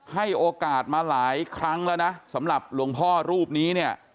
ให้โอกาสมาหลายครั้งแล้วนะสำหรับหลวงพ่อรูปนี้เนี่ย